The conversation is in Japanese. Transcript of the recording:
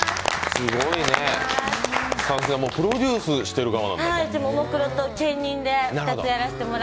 すごいね、プロデュースしている側なんだ。